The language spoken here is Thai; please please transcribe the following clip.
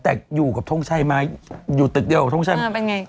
แต่อยู่กับท่องชัยมั้ยอยู่ตึกเดียวกับท่องชัยมั้ย